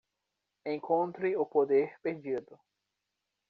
Encontre o poder perdido